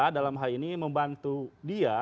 dalam hal ini membantu dia